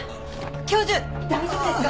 教授大丈夫ですか？